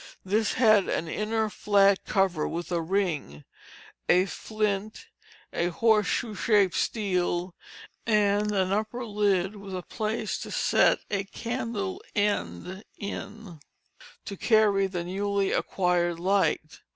This had an inner flat cover with a ring, a flint, a horseshoe shaped steel, and an upper lid with a place to set a candle end in, to carry the newly acquired light.